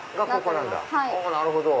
なるほど！